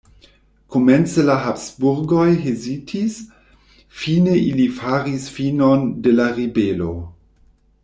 Komence la Habsburgoj hezitis, fine ili faris finon de la ribelo.